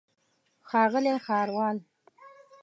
ښاغلی ښاروال.